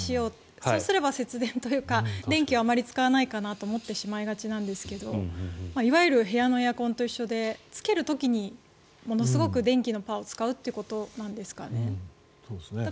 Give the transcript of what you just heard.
そうすれば節電というか電気をあまり使わないかなと思ってしまいがちなんですがいわゆる部屋のエアコンと一緒でつける時にものすごく電気のパワーを使うということなんでしょうか。